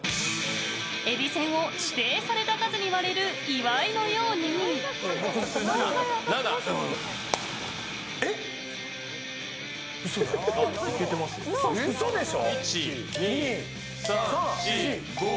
えびせんを指定された数に割れる岩井のように嘘でしょ。